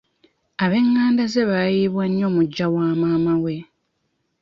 Ab'enganda ze baayiibwa nnyo muggya wa maama we.